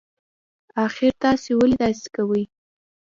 اخر تاسي ولې داسی کوئ